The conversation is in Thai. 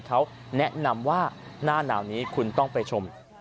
เขาแนะนำว่าหน้าหนาวนี้คุณต้องไปชม